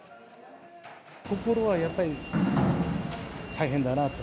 心はやっぱり、大変だなと。